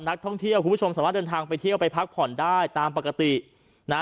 นักท่องเที่ยวคุณผู้ชมสามารถเดินทางไปเที่ยวไปพักผ่อนได้ตามปกตินะฮะ